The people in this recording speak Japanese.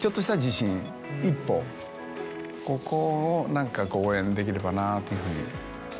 ここを何か応援できればなというふうに。